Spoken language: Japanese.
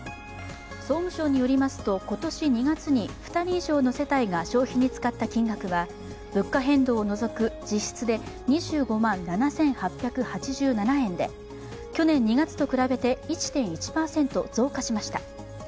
総務省によりますと、今年２月に２人以上の世帯が消費に使った金額は物価変動を除く実質で２５万７８８７円で、去年２月と比べて１．１％増加しました。